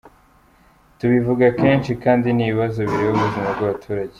Tubivuga kenshi kandi ni ibibazo bireba ubuzima bw’ abaturage.